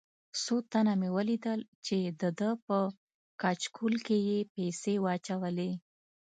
څو تنه مې ولیدل چې دده په کچکول کې یې پیسې واچولې.